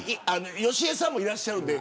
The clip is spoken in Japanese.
義江さんもいらっしゃるんで。